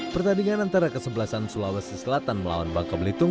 pertandingan antara kesebelasan sulawesi selatan melawan bangka belitung